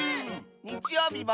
にちようびも。